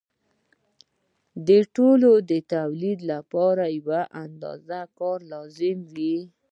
د ټولو د تولید لپاره یوه اندازه کار لازم وي